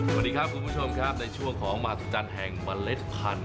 สวัสดีครับคุณผู้ชมครับในช่วงของมหัศจรรย์แห่งเมล็ดพันธุ